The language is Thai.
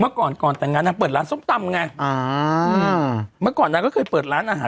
เมื่อก่อนก่อนแต่งงานนางเปิดร้านส้มตำไงอ่าอืมเมื่อก่อนนางก็เคยเปิดร้านอาหาร